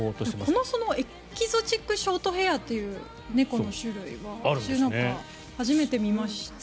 そもそもエキゾチックショートヘアっていう猫の種類は初めて見ました。